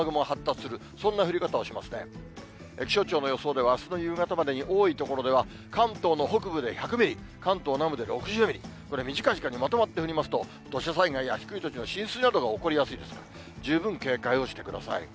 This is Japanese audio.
きしょうちょうのよそうではあすの夕方までに多い所では関東の北部で１００ミリ、関東南部で６０ミリ、これ、短い時間にまとまって降りますと、土砂災害や低い土地の浸水などが起こりやすいですから、十分警戒をしてください。